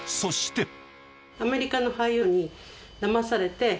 アメリカの俳優にだまされて。